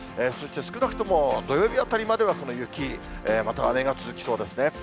そして、少なくとも土曜日あたりまでは、この雪、または雨が続きそうですね。